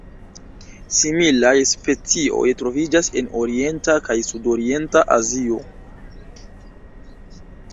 Similaj specioj troviĝas en Orienta kaj Sudorienta Azio.